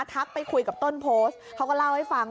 ไปคุยกับต้นโพสต์เขาก็เล่าให้ฟัง